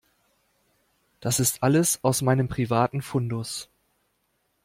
Das ist alles aus meinem privaten Fundus.